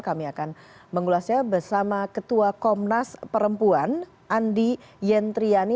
kami akan mengulasnya bersama ketua komnas perempuan andi yentriani